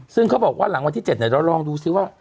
ซึ่งเขาบอกว่าหลังวันที่๗เราลองดูซิว่า